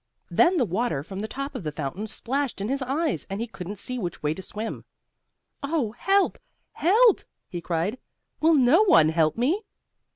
Then the water from the top of the fountain splashed in his eyes and he couldn't see which way to swim. "Oh, help! Help!" he cried. "Will no one help me?"